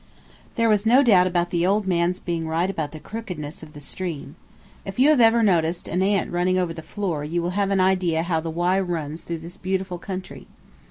There was no doubt about the old man's being right about the crookedness of the stream. If you have ever noticed an ant running over the floor you will have an idea how the Wye runs through this beautiful country.